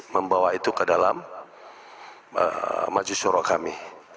membawa itu ke dalam majelis shuro kami